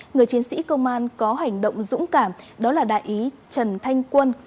người chiến sĩ công an có hành động dũng cảm đó là đại úy trần thanh quân